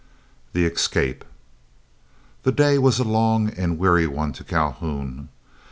THE ESCAPE. The day was a long and weary one to Calhoun.